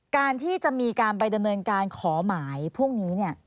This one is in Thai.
การที่จะมีการไปดำเนินการขอหมายพรุ่งนี้